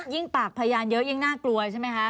ปากพยานเยอะยิ่งน่ากลัวใช่ไหมคะ